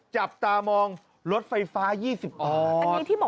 จะทันทีไหม